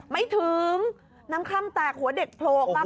ไม่ถึงน้ำคล่ำแตกหัวเด็กโผล่มาก่อนนะคะ